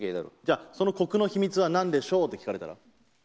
じゃあ、そのコクの秘密はなんでしょう？って聴かれたら？